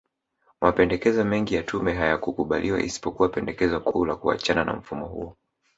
Mapendekezo mengi ya tume hayakukubaliwa isipokuwa pendekezo kuu la kuachana na mfumo huo